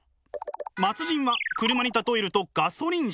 末人は車に例えるとガソリン車。